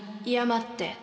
いや待って。